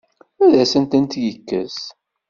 Ad asent-ten-yekkes?